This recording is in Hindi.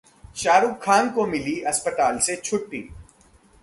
शाहरुख खान को मिली अस्पताल से छुट्टी